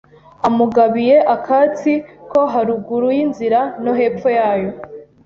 amugabiye akatsi ko haruguru y’inzira no hepfo yayo